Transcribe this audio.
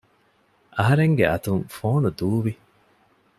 އަހަރެންގެ އަތުން ފޯނު ދޫވި